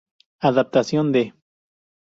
Adaptación de